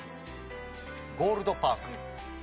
ゴールドパーク。